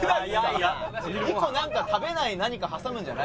１個食べない何か挟むんじゃないんですか？